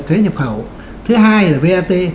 thuế nhập khẩu thứ hai là vat